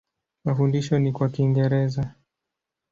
Mafundisho ni kwa Kiingereza.